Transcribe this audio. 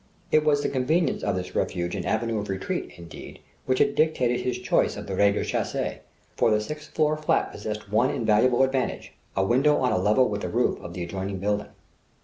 It was the convenience of this refuge and avenue of retreat, indeed which had dictated his choice of the rez de chaussée; for the sixth floor flat possessed one invaluable advantage a window on a level with the roof of the adjoining building.